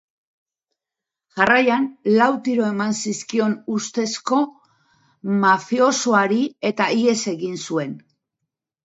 Jarraian, lau tiro eman zizkion ustezko mafiosoari eta ihes egin zuen.